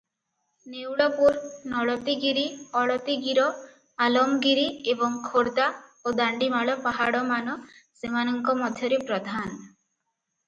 ନେଉଳପୁର, ନଳତୀଗିରି, ଅଳତୀଗିର, ଆଲମଗିରି ଏବଂ ଖୋର୍ଦ୍ଧା ଓ ଦାଣ୍ଡିମାଳ ପାହାଡ଼ମାନ ସେମାନଙ୍କ ମଧ୍ୟରେ ପ୍ରଧାନ ।